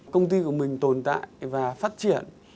công ty của mình tồn tại và phát triển